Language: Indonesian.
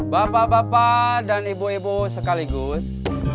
bapak bapak dan ibu ibu sekaligus